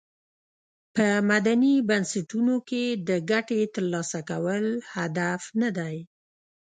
په مدني بنسټونو کې د ګټې تر لاسه کول هدف ندی.